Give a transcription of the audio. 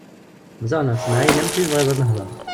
Ziɣen ɣef temɛayin am ti i tebɣiḍ ad nehder.